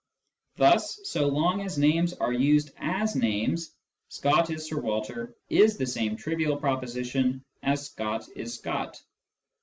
Thus so long as names J are used as names, " Scott is Sir Walter " is the same trivial/ proposition as " Scott is Scott."